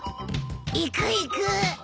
行く行く！